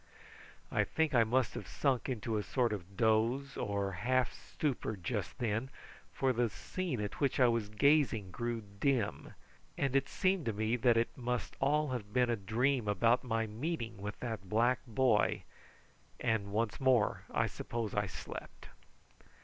I think I must have sunk into a sort of doze or half stupor just then, for the scene at which I lay gazing grew dim, and it seemed to me that it must all have been a dream about my meeting with that black boy; and once more I suppose I slept.